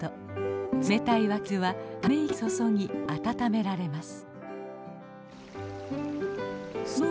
冷たい湧き水はため池に注ぎ温められます。